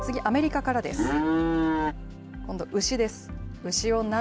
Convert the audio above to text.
次、アメリカからです。